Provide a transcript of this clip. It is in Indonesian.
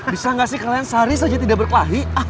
bisa nggak sih kalian sehari saja tidak berkelahi